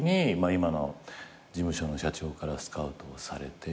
今の事務所の社長からスカウトをされて。